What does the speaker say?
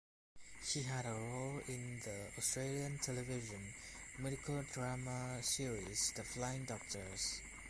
He had a role in the Australian television medical drama series "The Flying Doctors".